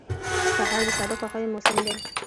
سهار د ساده خوښیو موسم دی.